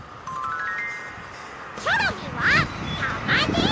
チョロミーはたまねぎだ！